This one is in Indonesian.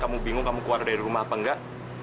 kamu bingung kamu keluar dari rumah apa enggak